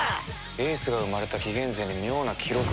エースが生まれた紀元前に妙な記録がある。